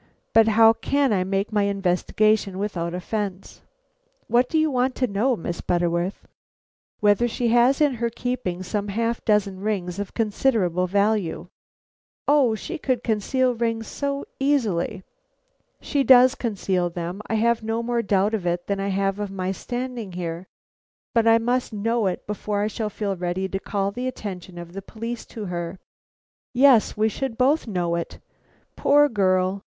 But how can I make my investigations without offence?" "What do you want to know, Miss Butterworth?" "Whether she has in her keeping some half dozen rings of considerable value." "Oh! she could conceal rings so easily." "She does conceal them; I have no more doubt of it than I have of my standing here; but I must know it before I shall feel ready to call the attention of the police to her." "Yes, we should both know it. Poor girl!